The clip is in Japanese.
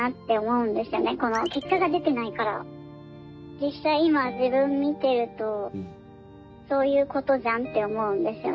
実際今自分見てるとそういうことじゃんって思うんですよね。